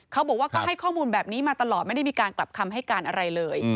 เขาบอกว่าก็ให้ข้อมูลแบบนี้มาตลอดไม่ได้มีการกลับคำให้การอะไรเลย